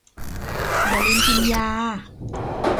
อย่าลืมกินยา